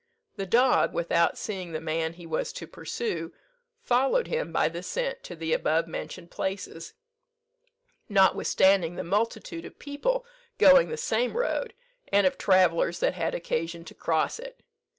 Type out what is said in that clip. The dog, without seeing the man he was to pursue, followed him by the scent to the above mentioned places, notwithstanding the multitude of people going the same road, and of travellers that had occasion to cross it.